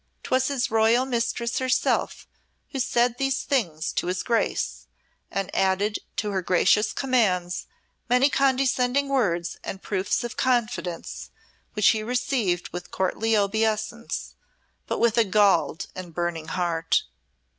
'Twas his royal Mistress herself who said these things to his Grace, and added to her gracious commands many condescending words and proofs of confidence, which he received with courtly obeisance but with a galled and burning heart.